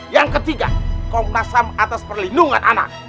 yang ketiga komnas ham atas perlindungan anak